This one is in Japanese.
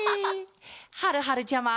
はるはるちゃま！